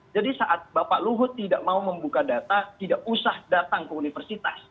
jadi saat bapak luhut tidak mau membuka data tidak usah datang ke universitas